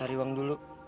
cari uang dulu